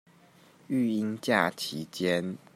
育嬰假期間